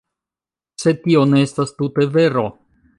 Sed tio ne estas tute vero.